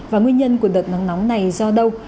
và nguyên nhân của đợt nắng nóng này do đâu